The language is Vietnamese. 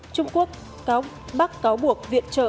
trung quốc bắt cáo buộc viện trợ